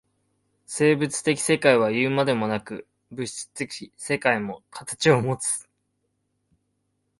生物的世界はいうまでもなく、物質的世界も形をもつ。